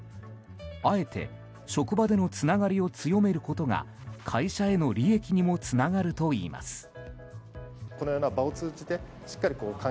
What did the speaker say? あえて職場でのつながりを強めることが会社への利益にもつながるといいます。